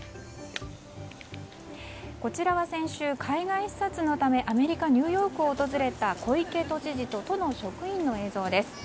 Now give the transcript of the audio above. こちらは先週、海外視察のためアメリカ・ニューヨークを訪れた小池都知事と都の職員の映像です。